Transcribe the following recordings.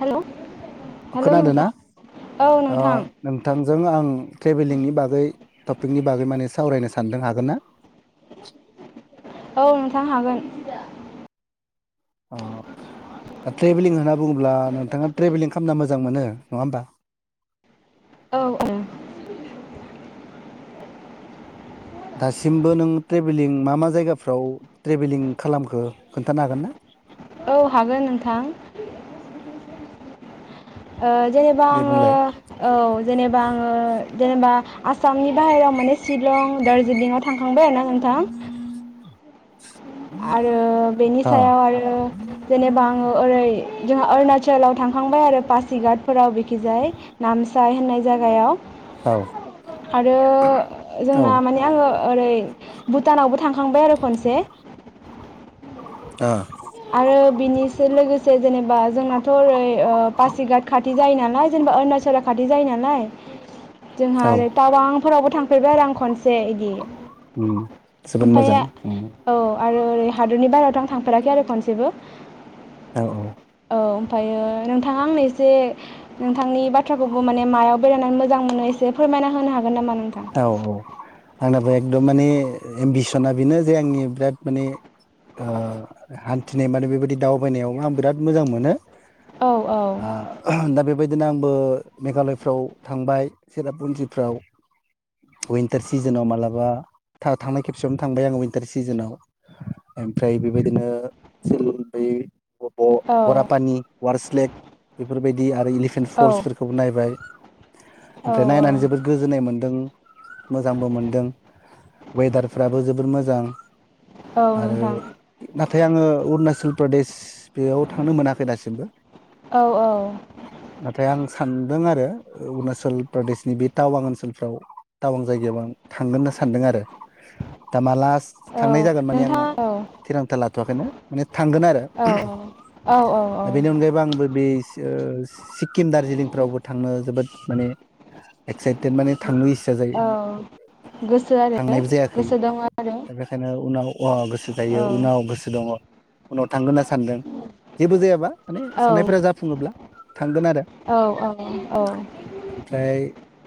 Hello. खोनादों ना ओ नोंथां नोंथांजों आं ट्रेभेलिंनि बागै टपिकनि बागै माने सावरायनो सानदों हागोन ना? औ नोंथां हागोन। अह दा ट्रेभेलिं होनना बुङोब्ला नोंथाङा ट्रेभेलिं खामना मोजां मोनो नङा होमबा? औ औ। दासिमबो नों ट्रेभेलिं मा मा जायगाफ्राव ट्रेभेलिं खालामखो खोन्थानो हागोन ना? औ हागोन नोंथां। ओ जेनेबा दे आङो बुंलाय औ जेनेबा आङो जेनेबा आसामनि बाहेराव माने शिलं दार्जिलिंआव थांखां बाय आरोना नोंथां। [inaudible] आरो अ बेनिफ्राय आरो जेनेबा आङो ओरै जोंहा अरुणाचलाव थांखांबाय आरो पासिघाट फोराव बिखिजाय नामसाय होननाय जायगायाव। औ आरो औ जोंना माने आङो ओरै भुटानावबो थांखांबाय आरो खनसे। ओह। आरो बिनिसो लोगोसे जेनेबा जोंनाथ' ओरै ओ पासिघाट खाथि जायो नालाय जेनेबा अरुणाचला खाथि जायो नालाय। जोंहा औ आरो टाबांफोरावबो थां फेरबाय आरो आं खनसे इदि उम जोबोद मोजां ओमफाया उम औ आरो ओरै हादरनि बाहेरावथ आं थांफेराखै आरो खनसे बो। औ औ। औ ओमफ्रायो नोंथाङा आंनो एसे नोंथांनि बाथ्राखौबो माने मायाव बेरायनानै मोजां मोनो एसे फोरमायना होनो हागोन नामा नों औ औ। आंनाबो एकदम माने एम्बिसना बेनो जे आंनि बिराद माने ओ हान्थिनाय माने बेबायदि दावबायनायावबो आं बिराद मोजां मोनो। औ आह बायदिनो आंबो मेघालयफ्राव थांबाय सिरापुन्जिफ्राव उइन्टार सिजोनाव मालाबा था थांनाय खेबसेयावनो थांबाय आंङो उइन्टार सिजोनाव ओमफ्राय बेबायदिनो [unintelligible] ब औ बरापानि वार्स लेक बेफोरबायदि आरो इलिफेन्ट औ फल्सफोरखौबो नायबाय औ ओमफ्राय औ नायनानै जोबोद गोजोननाय मोन्दों मोजांबो मोनदों वेदारफ्राबो जोबोद मोजां औ आरो नोंथां नाथाय आंङो अरुणाचल प्रदेश बेयाव थांनो मोनाखै दासिमबो औ औ नाथाय आं सानदों आरो अरुणाचल प्रदेशनि बि टावां ओनसोलफ्राव टावां जायगायाव आं थांगोननो सानदों आरो दा मा लास्ट औ थांनाय जागोन माने आं नोंथाङा औ थिरांथा लाथ'वाखैनो माने थांगोन आरो औ औ औ औ बेनि अनगायैबो आंबो बि ओ सिक्किम दार्जिलिंफ्रावबो थांनो जोबोद माने एक्साइटेड माने थांनो इस गो जायो औ गोसो आरो थांनायबो जायाखै गोसो दं आरो दा बेखायनो उनाव अ गोसो जायो औ उनाव गोसो दंङ उनाव थांगोन होनना सानदों जेबो जायाबा माने औ साननायफोरा जाफुंङोब्ला थांगोन आरो औ औ ओमफ्राय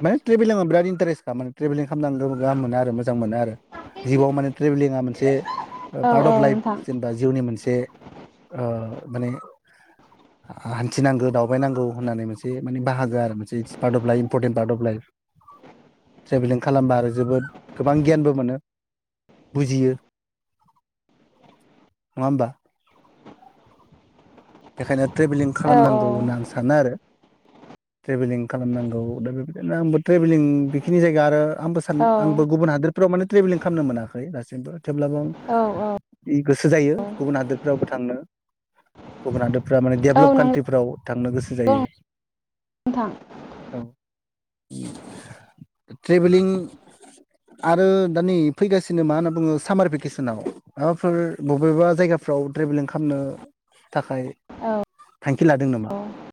माने ट्रिभिलिं आव बिराद इन्टारेस्ट माने ट्रेभिलिं खालामनांंगौ गाहाम मोनो आरो मोजां मोनो आरो जिउआव माने ट्रेभेलिंआ मोनसे औ पार्ट औ अफ लाइफ नोंथां जेनेबा जिउनि मोनसे मोनसे ओ माने हान्थिनांगौ दावबायनांगौ होननानै मोनसे माने बाहागो आरो मोनसे is part of life important part of life travelling खालामबा आरो जोबोद गोबां गियानबो मोनो बुजियो नंङा होमबा बेखायनो ट्रेभेलिं औ औ खालामनांगौ होनना आं सानो आरो ट्रेभेलिं खालामनांगौ दा बेबायदिनो आंबो ट्रेभेलिं बेखिनि जायगा आरो आंबो सान औ आंबो गुबुन हादोर फ्राव माने ट्रेभेलिं खालामनो मोनाखै दासिमबो। थेवब्लाबो औ गोसो जायो गुबुन हादोरफ्रावबो थांनो गुबुन हादो फ्रा माने औ डेभलप नंगौ कान्ट्रिफ्राव थांनो गोसो जायो नोंथां औ ट्रेभेलिं आरो दा नै फैगासिनो मा होनना बुंङो सामार भेकेसनाव माबाफोर बबेबा जायगाफ्राव ट्रेभेलिं खालामनो थाखाय औ थांखि लादों नामा? औ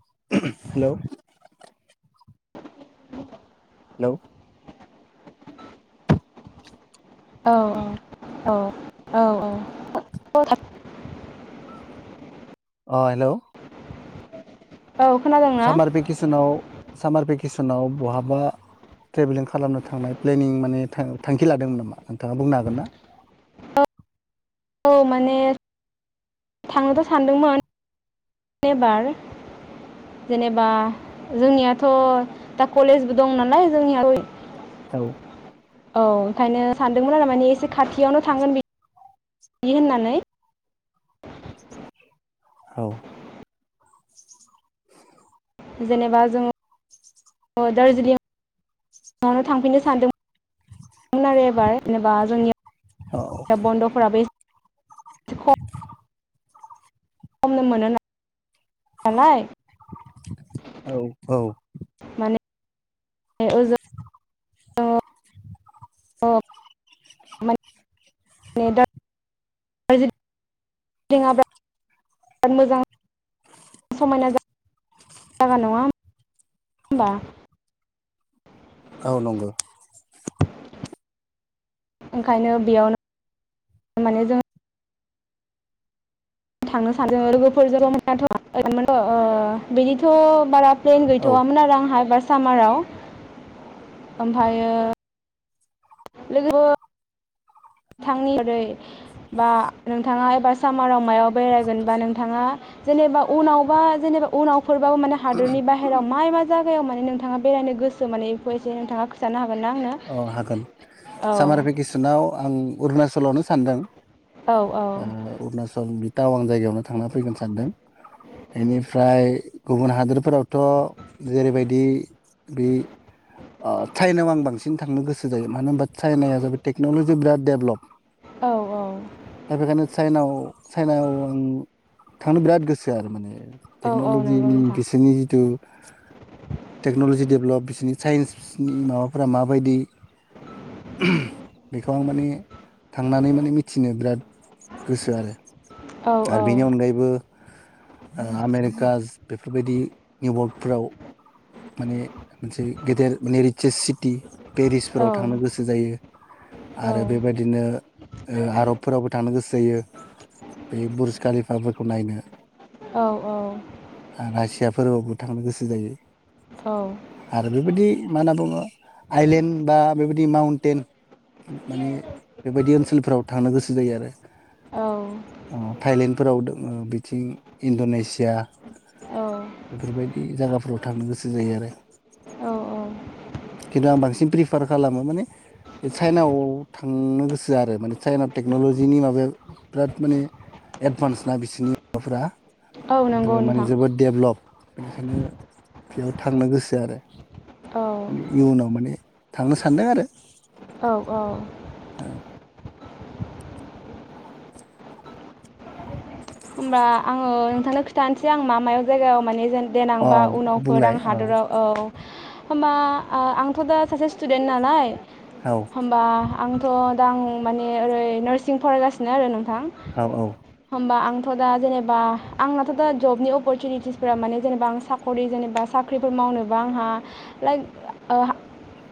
[unintelligible] हेलौ हेलौ औ औ औ औ औ [unintelligible] अ हेलौ खोनादोंना सामारपिकिस'नाव सामार भेकेसनाव बहाबा ट्रेभेलिं खालामनो थांनाय प्लेनिं माने थां-थांखि लादोंमोन नामा नोंथांङा बुंनो हागोन ना? औ औ माने थांनोथ' सानदोंमोन एबार जेनेबा जोंनियाथ' दा कलेजबो दं नालाय जोंनिया औ औ ओंखायनो सानदोंमोन आरो माने एसे खाथियावनो थांगोन बि दि होननानै। औ जेनेबा जों दार्जिलिंआवनो थांफिननो सान दोंमोन आरो एबार जेनेबा जोंनि औ बन्द'फोरा बे [unintelligible] नालाय औ औ माने ओजों [unintelligible] मोजां समायना [unintelligible] नङा होमबा औ नंगौ ओंखायनो बेयावनो माने जों थांनो सानदों लोगोफोरजों [unintelligible] ओ बिदिथ' बारा प्लेन औ गैथ'वामोन आरो आंहा बास सामाराव ओमफायो लोगोबो थांनि रै बा नोंथाङा एबा सामाराव मायाव बेरायगोनबा नोंथाङा जेनेबा उनावबा जेनेबा उनाव फोरबाबो माने हादरनि बाहेरायाव मा [unintelligible] जागायाव माने नोंथाङा बेरायनो गोसो माने बेखौ एसे नोंथाङा खोथानो हा अ हागोन सामार भेकेसनाव आं अरुणाचलावनो सानदों औ औ ओ अरुणाचल बि टावां जायगायावनो थांना फैगोन सानदों इनिफ्राय गुबुन हादोरफोराव थ' जेरैबायदि बे ओ [unintelligible] नाव आं बांसिन थिं थांनो गोसो जायो मानो होनबा चाइनाया जाबाय टेक्न'लजि बिराद देभलप। औ औ दा बेखायनो चाइनाव साइनाव आं थांनो बिराद गोसो आरो माने औ औ नंगौ टेक्नलजिनि नोंथां बिसोरनि जिथु टेक्नलजि डेभलप बिसनि साइन्सनि माबाफोरा मा बायदि बेखौ मानि थांनानै माने मिथिनो बिराद गोसो आरो। औ आरो औ बेनि औ अनगायैबो आमेरिका बेफोरबायदि निउयर्कफ्राव माने मोनसे गेदेर माने रिचार्स सिटि पेरिसफोराव थांनो गोसो जायो आरो बेबायदिनो आरबफोरावबो थांनो गोसो जायो बे बुरज कलिफाफोरखौ नायनो औ औ। फोरावबो थांनो गोसो जायो। आरो बेबायदि मा होनना बुङो थाइलेन बा बेबायदि माउनटेन माने बेबायदि ओनसोलफोराव थांनो गोसो जायो आरो। अ थाइलेन फोराव दोङो बिथिं इनद'नेसिया औ इफोर बायदि इ जागाफोराव थांनो गोसो जायो आरो। किन्तु आं बांसिन प्रिफार खालामो माने साइनाव थांनो गोसो आरो माने साइना टेक्न'लजिनि माबाया बिराद माने एदभान्स ना बिसोरनि माबाफोरा औ दे नंगौ माने नोंथां जोबोद देबलप। बेनिखायनो बेयाव थांनो गोसो आरो। औ। माने इयुनाव माने थांनो सानदों आरो। औ औ। ओमबा आङो नोंथांनो खिथानोसै आं मा मायाव जायगायाव माने जेन देनां बा उनाव अ फोरदां बुंलाय अ हादराव औ होमबा आ आंथ' दा सासे स्तुदेन नालाय औ होमबा। श आंथ' दा आं माने ओरै नार्सिं फरायगासिनो आरो नों थां औ औ होमबा आं थ' दा जेनेबा आंनाथ' दा जबनि अपरसुनिटिसफोरा माने जेनेबा आं साख'रि जेनेबा साख्रिफोर मावनोबा आंहा लाइक ओ हा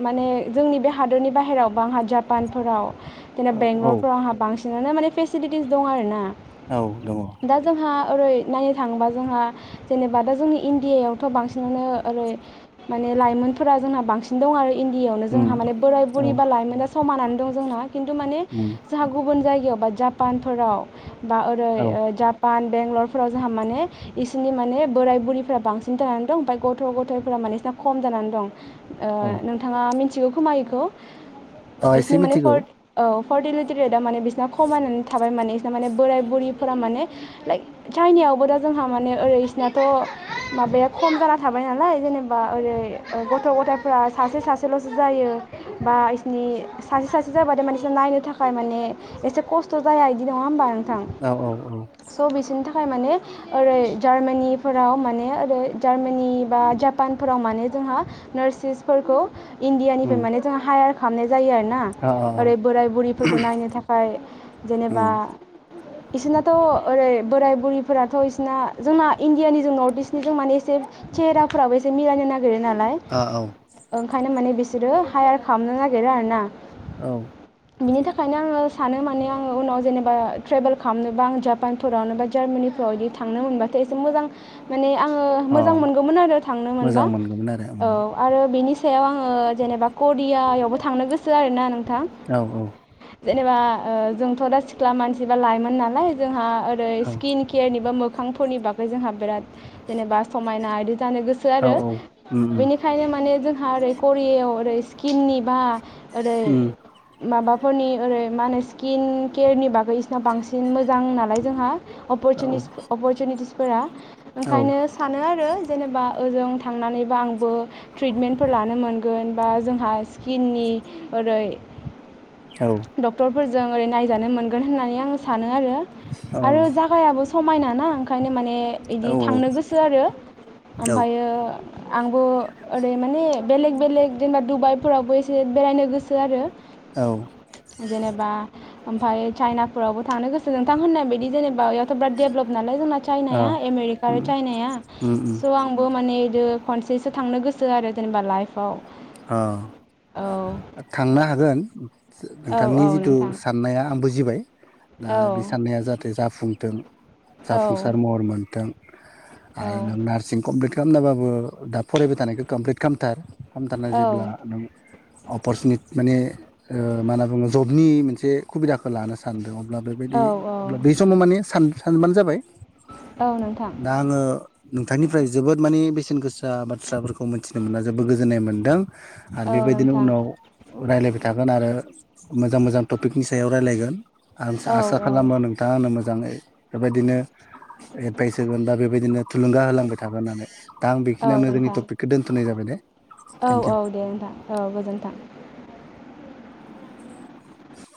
माने जोंनि बे हादरनि बाहेरावबा आंहा जापानफोराव। दिनो औ औ बेंगलफोराव आंहा बांसि बिनिनो माने फेसिलिटिस दं आरो ना। औ। दङ दा जोंहा ओरै नायनो थाङोबा जोंहा जेनेबा दा जोंनि इण्डिया यावथ' बांसिनावानो ओरै माने लाइमोनफोरा जोंहा बांसिन दं आरो इण्डिया आवनो उम जोंहा माने बोराइ बुरि औ बा लाइमोना समानानो दं जोंना किन्तु माने उम जोंहा गुबुन जायगायावबा जापानफोराव। बा ओरै औ ओ जापान बेंलरफोराव जोंहा माने इसोरनि माने बोराइ बुरैफोरा बांसिन जानानै दं ओमफाय गथ' गथायफोरा माने इसिना खम जानानै दं। औ ओह नोंथाङा मिनथि थियो खोमा इखौ। अ इसिनि एसे माने मिथिगौ फोर्थ ओ फार्टिलिटि रेटआ माने बिसोरना खमायनानै थाबाय माने बिसोरना माने बोराय बुरिफोरा माने लाइक चाइनायावबो दा जोंहा माने ओरै बिसनाथ' माबाया खम जाना थाबाय नालाय जेनेबा ओरै गथ' गथायफ्रा सासे सासेल'सो जायो बा इसिनि सासे सासे जाबाथाय माने नायनो थाखाय माने एसे खस्थ' जाया बिदि नङा होमबा न औ औ औ। स' बिसोरनि थाखाय माने ओरै जार्मानिफोराव माने ओरै जार्मानि बा जापानफोराव माने जोंहा नार्सिसफोरखौ इण्डियानिफ्राय उम माने जोहा हायार थान जायो आरोना अ अ अ ओरै बोराय बुरिफोरखौ नायनो थाखाय जेनेबा उम इसे लाथ थ' ओरै बोराइ बुरिफोराथ' इसिना जोंना इण्डियानि जों नर्थ इस्टनि जों माने एसे चेहेराफोराबो एसे मिलायनो नागिर गिरो नालाय अ औ ओंखायनो माने बिसोरो हायार खालामनो नागिरो आरो ना। औ। बिनि थाखायनो आङो सानो माने आङ उनाव जेनेबा ट्रेभेल खालामनोबा आं जापानफोरावनो बा जार्मानिफोराव बिदि थांनो मोनबाथाय एसे मोजां म माने आंङो अ मोजां मोनगौमोन आरो थांनो मोनबा मोजां मोनगौमोन आरो उम औ आरो बेनि स सायाव आङो जेनेबा करियायावबो थांनो गोसो आरोना नों औ औ। जेनेबा ओ जोंथ' दा सिख्ला मानसि बा लाइमोन नालाय जोंहा ओरै औ स्किन केयारनिबो मोख खांफोरनि बागै जोंहा बिराद जेनेबा समायना इदि जानो गोसो औ आरो उम बेनिखायनो माने जोंहा आरो करियायाव ओरै सिकिमनि बा ओरै उम माबा हनि ओरै मा होनो स्किन केयारनि बागै बिसोरना बांसिन मोजां मोजां नालाय जोंहा औ अपर्चनिटिस अर्चनिटिस फोरा औ ओंखायनो सानो आरो जेनेबा ओजों थांनानैबा आंबो ट्रिटमेन्टफोर लानो मोनगोन बा जोंहा स्किननि ओरै औ फोरजों ओरै नायजानो मोनगोन होननानै आं सानो आरो आरो जागायाबो समायना ना ओंखायनो माने ए इदि थांनो औ गोसो आरो ओमफ्रायो आंबो ओरै माने बेलेग बेलेग जेनेबा दुबाइफोरावबो एसे बेरायनो गोसो आरो औ जेनेबा ओमफाय चाइनाफोरावबो थांनो गो सो नोंथां होननाय बायदि जेनेबा थ' बिराद देभलप नालाय जोंना अ चाइनाया आमेरिका आरो उम चाइनाया उम उम स' आंबो माने बि खनसेसो थांनो गोसो आरो जेनेबा लाइफआव अ औ थांनो हागोन। औ नोंथांनि औ जिथु नोंथां साननाया आंबो जिबाय दा औ बि साननाया जाहाथे जा फुंथों औ जाफुंसार महर मोनथों। आरो औ नों नार्सिं कमप्लिट खालामनाबाबो दा फरायबाय थानायखौ कमप्लिट खामथार। खामथार औ जेब्ला नों अपरसुनिट माने ओ मा होनना बुङो जबनि मोन से खुबिदाखौ लानो सानदों अब्ला औ बेबायदि अब्ला बे समाव माने सानबानो जाबाय। औ नोंथां दा आंङो नोंथांनिफ्राय जोबोद मानि बेसेन गोसा बाथ्राफोरखौ मोन्थिनो मोनना जोबोद गो जोननाय मोन्दों। आरो औ बेबायदिनो नोंथां उनाव रायलायबाय थागोन आरो मोजां मोजां टपिकनि सायाव रायलायगोन आरो औ आसा औ खालामो नोंथाङा आंनो मोजाङै बेबायदिनो एडभाइस होगोन बा बेबायदिनो थुलुंगा होलांबाय थागोन होननानै। दा आं औ बेखिनियावनो जोंनि नोंथां टपिकखौ दोनथ'नाय जाबाय दे। औ थेंक इउ औ दे नोंथां औ गोजोन्थों।